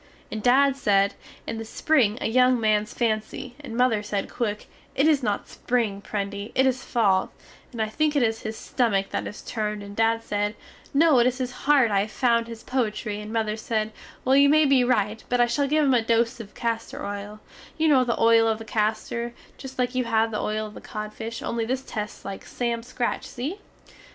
And dad sed, In the spring a yung mans fancy, and mother sed quick, It is not spring, Prendy, it is fall, and I think it is his stummick that is turned and dad sed, No it is his heart I have found his poitry, and mother sed, Well you may be rite but I shall give him a dose of caster oil, You no the oil of the caster, just like you had the oil of the codfish only this tests like sam scratch see?